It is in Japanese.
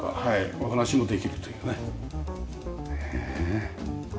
お話もできるというね。